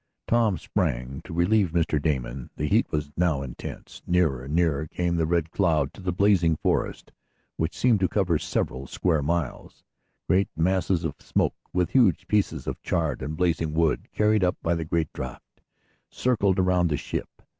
Tom sprang to relieve Mr. Damon. The heat was now intense. Nearer and nearer came the Red Cloud to the blazing forest, which seemed to cover several square miles. Great masses of smoke, with huge pieces of charred and blazing wood carried up by the great draught, circled around the ship.